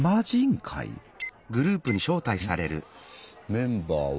メンバーは。